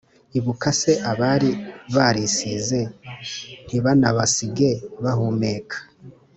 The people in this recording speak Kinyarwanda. Ibuka se abari barisize Ntibanabasige bahumeka